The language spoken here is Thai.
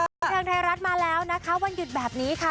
บันเทิงไทยรัฐมาแล้วนะคะวันหยุดแบบนี้ค่ะ